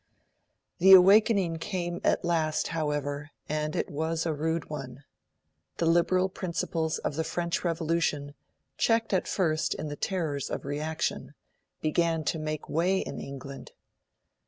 The awakening came at last, however, and it was a rude one. The liberal principles of the French Revolution, checked at first in the terrors of reaction, began to make their way into England.